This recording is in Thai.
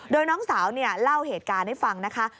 โดยน้องสาวเล่าเหตุการณ์ให้ฟังนะคะ